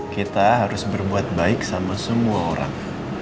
kita harus berbuat baik sama semua orang